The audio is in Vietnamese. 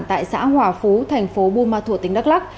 tại xã hòa phú thành phố bù ma thuộc tỉnh đắk lắc